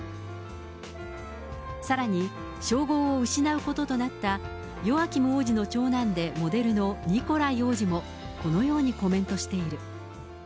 さらに称号を失うこととなったヨアキム王子の長男でモデルのニコライ王子もこのようにコメントしている。